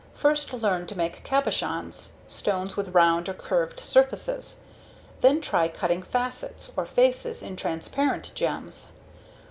First learn to make cabochons stones with round or curved surfaces. Then try cutting facets (or faces) in transparent gems.